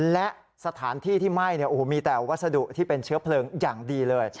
และสถานที่ที่ไหม้มีแต่วัสดุที่เป็นเชื้อเพลิงอย่างดีเลย